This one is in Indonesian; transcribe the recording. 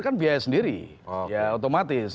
kan biaya sendiri ya otomatis